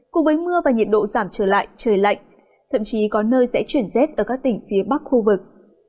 cùng với mưa và nhiệt độ giảm trở lại trời lạnh thậm chí có nơi sẽ chuyển rét ở các tỉnh phía bắc khu vực